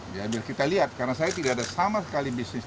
biar kita lihat karena saya tidak ada sama sekali bisnis